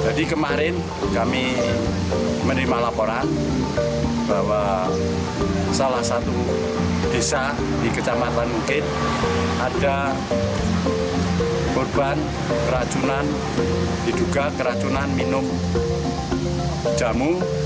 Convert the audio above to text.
jadi kemarin kami menerima laporan bahwa salah satu desa di kecamatan mungkin ada korban keracunan diduga keracunan minum jamu